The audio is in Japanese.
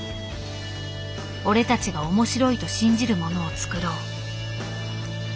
俺たちが面白いと信じるものを作ろう。